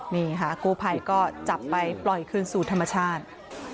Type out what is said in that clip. นี่ค่ะกู้ภัยก็จับไปปล่อยคืนสู่ธรรมชาติ